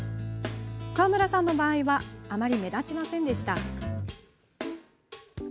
川村さんの場合はあまり目立ちませんでした。